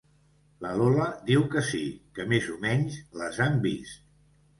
La Lola diu que sí, que més o menys les han vist.